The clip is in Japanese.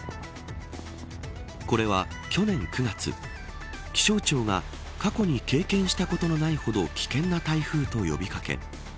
これは、去年９月気象庁が過去に経験したことのないほど危険な台風と呼び掛け